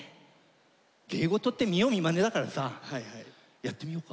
芸事って見よう見まねだからさやってみようか。